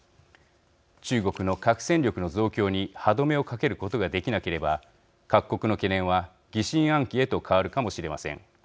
中国の核戦力の増強に歯止めをかけることができなければ各国の懸念は、疑心暗鬼へと変わるかもしれません。